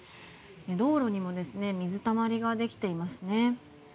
道路にも水たまりができていますね。